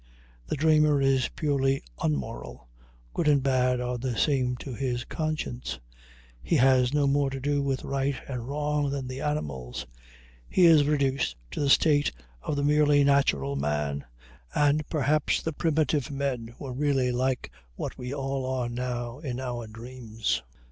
The dreamer is purely unmoral; good and bad are the same to his conscience; he has no more to do with right and wrong than the animals; he is reduced to the state of the merely natural man; and perhaps the primitive men were really like what we all are now in our dreams.